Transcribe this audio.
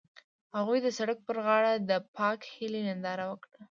هغوی د سړک پر غاړه د پاک هیلې ننداره وکړه.